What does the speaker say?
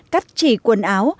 cách chỉ quần áo